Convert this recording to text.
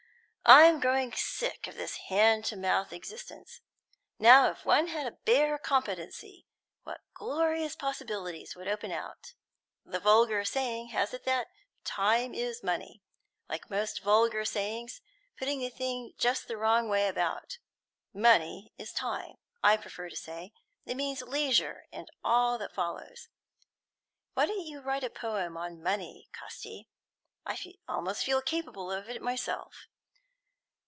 "I'm growing sick of this hand to mouth existence. Now if one had a bare competency, what glorious possibilities would open out. The vulgar saying has it that 'time is money;' like most vulgar sayings putting the thing just the wrong way about. 'Money is time,' I prefer to say; it means leisure, and all that follows. Why don't you write a poem on Money, Casti? I almost feel capable of it myself.